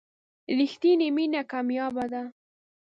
رښتینې مینه کمیابه ده.